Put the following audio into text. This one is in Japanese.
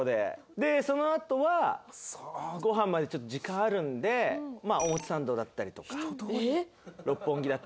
でそのあとはご飯までちょっと時間があるので表参道だったりとか六本木だったりとか。